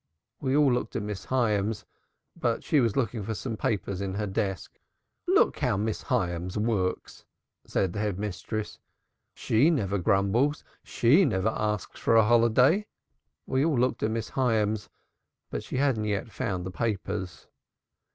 We all looked at Miss Hyams, but she was looking for some papers in her desk. 'Look how Miss Hyams works!' said the Head Mistress. 'She never grumbles, she never asks for a holiday!' We all looked again at Miss Hyams, but she hadn't yet found the papers.